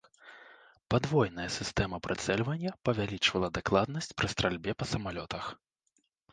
Падвойная сістэма прыцэльвання павялічвала дакладнасць пры стральбе па самалётах.